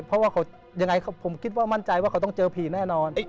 เพราะว่าเขายังไงผมคิดว่ามั่นใจว่าเขาต้องเจอผีแน่นอน